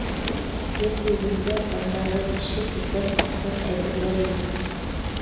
Ер йөҙөндә бындағы ише бүтән аҫыл әйберҙәр юҡ.